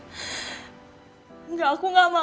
tidak aku tidak mau